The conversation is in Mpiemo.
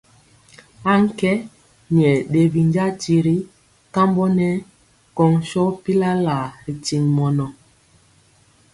Aŋkɛ nyɛ ɗe binja tiri kambɔ nɛ kɔŋ sɔ pilalaa ri tiŋ mɔnɔ.